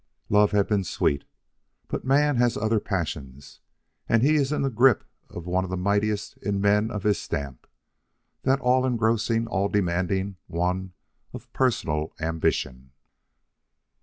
Love had been sweet; but man has other passions, and he is in the grip of the one mightiest in men of his stamp the all engrossing, all demanding one of personal ambition.